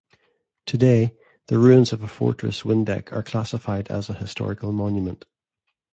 Today, the ruins of a fortress Windeck are classified as a historical monument.